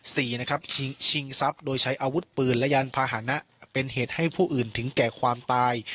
สี่นะครับชิงทรัพย์โดยใช้อาวุธปืนและยานพาหนะเป็นเหตุให้ผู้อื่นถึงแก่ความตาย